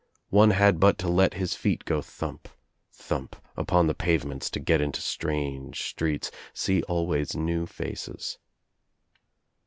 One had but to let his feet go thump, thump upon the pavements to get into strange streets, see always new faces.